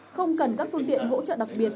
không cần các phương tiện hỗ trợ đặc biệt